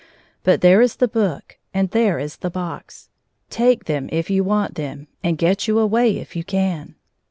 But there is the book, and there is the box. Take. H5 them if you want them, and get you away if you can."